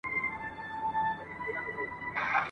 پر جلا لارو مزلونه یې وهلي !.